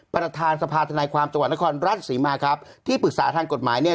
ประธานสภาธนาความจังหวัดนครราชศรีมาครับที่ปรึกษาทางกฎหมายเนี่ย